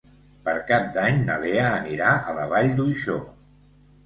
Per Cap d'Any na Lea anirà a la Vall d'Uixó.